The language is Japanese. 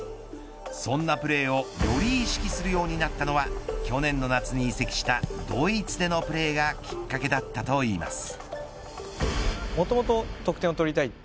そんなプレーをより意識するようになったのは去年の夏に移籍したドイツでのプレーがきっかけだったといいます。